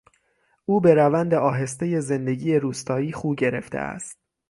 او به روند آهستهی زندگی روستایی خو گرفته است.